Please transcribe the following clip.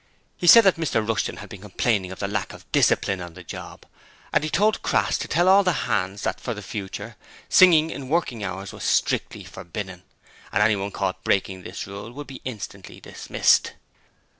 He said that Mr Rushton had been complaining of the lack of discipline on the job, and he told Crass to tell all the hands that for the future singing in working hours was strictly forbidden, and anyone caught breaking this rule would be instantly dismissed.